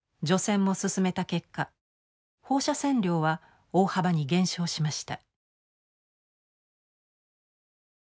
除染も進めた結果放射線量は大幅に減少しました。